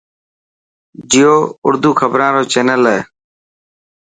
جيو ارڌو کبران رو چينل هي.